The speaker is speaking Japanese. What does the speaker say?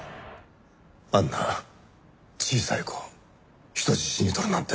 あんな小さい子を人質にとるなんて！